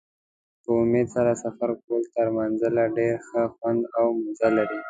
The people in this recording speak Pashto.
په امید سره سفر کول تر منزل ډېر ښه خوند او مزه لري.